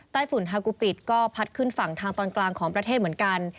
ฝุ่นฮากุปิดก็พัดขึ้นฝั่งทางตอนกลางของประเทศเหมือนกัน